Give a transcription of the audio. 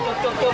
gak gak gak